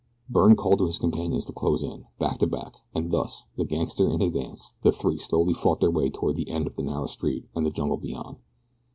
Byrne called to his companions to close in, back to back, and thus, the gangster in advance, the three slowly fought their way toward the end of the narrow street and the jungle beyond.